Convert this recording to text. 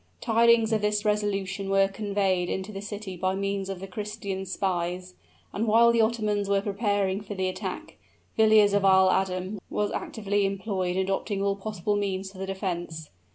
Tidings of this resolution were conveyed into the city by means of the Christians' spies; and while the Ottomans were preparing for the attack, Villiers of Isle Adam was actively employed in adopting all possible means for the defense.